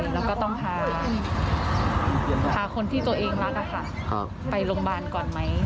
แล้วก็ต้องพาคนที่ตัวเองรักไปโรงพยาบาลก่อนไหม